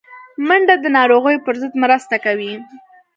منډه د ناروغیو پر ضد مرسته کوي